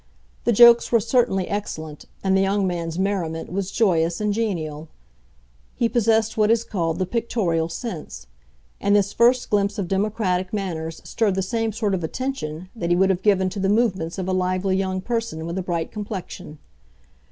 The jokes were certainly excellent, and the young man's merriment was joyous and genial. He possessed what is called the pictorial sense; and this first glimpse of democratic manners stirred the same sort of attention that he would have given to the movements of a lively young person with a bright complexion.